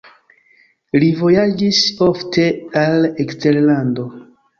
Li vojaĝis ofte al eksterlando.